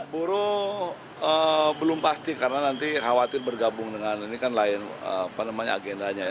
buru belum pasti karena nanti khawatir bergabung dengan ini kan lain agendanya